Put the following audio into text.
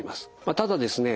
ただですね